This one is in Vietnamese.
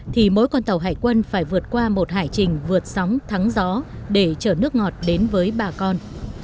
thì mỗi con tàu hải quân phải vượt qua một hải trình vượt sóng thắng gió để chở nước ngọt đến với bà con